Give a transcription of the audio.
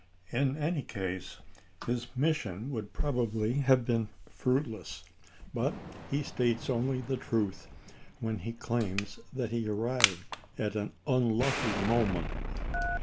In any case his mission would probably have been fruitless, but he states only the truth when he claims that he arrived at an unlucky moment.